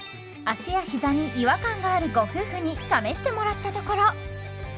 足や膝に違和感があるご夫婦に試してもらったところ